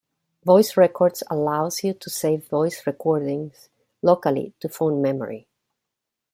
Voice Records allows you to save voice recordings locally to phone memory.